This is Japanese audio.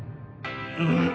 うん？